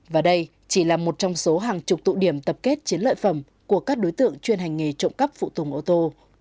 và đây chỉ là một trong số hàng chục tụ điểm tập kết chiến lợi phẩm của các đối tượng chuyên hành nghề trộm cắp phụ tùng ô tô